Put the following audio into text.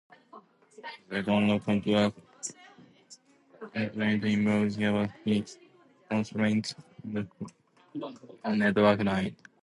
The second constraint involves capacity constraints on the flow on network lines.